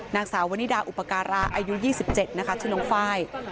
นางสาววนิดาอุปกราอายุ๒๗ชื่อน้องฟ้าย